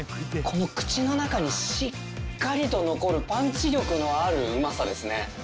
口の中にしっかりと残るパンチ力のあるうまさですね。